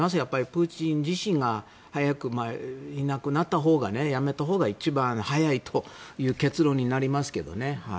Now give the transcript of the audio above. プーチン自身が早くいなくなったほうが辞めたほうが一番早いという結論になりますけどね。